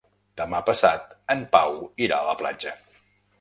Demà passat en Pau irà a la platja.